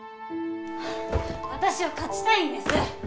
私は勝ちたいんです！